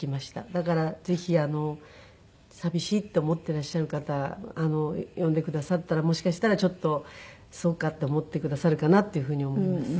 だからぜひ寂しいって思っていらっしゃる方読んでくださったらもしかしたらちょっとそうかって思ってくださるかなっていうふうに思います。